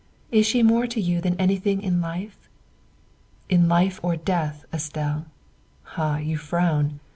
Is she more to you than anything in life?" " In life or death, Estelle. Ah, you frown.